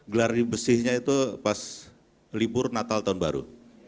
geladih bersihnya itu pas libur natal tahun baru